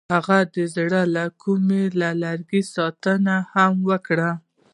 هغې د زړه له کومې د لرګی ستاینه هم وکړه.